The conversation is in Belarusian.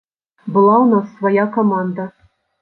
Была ў нас свая каманда.